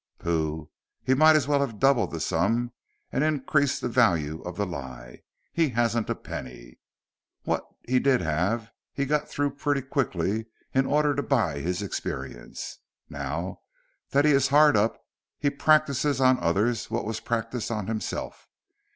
"Pooh, he might as well have doubled the sum and increased the value of the lie. He hasn't a penny. What he did have, he got through pretty quickly in order to buy his experience. Now that he is hard up he practises on others what was practised on himself.